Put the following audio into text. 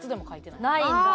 ないんだ！